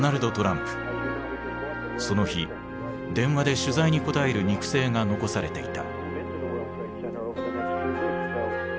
その日電話で取材に答える肉声が残されていた。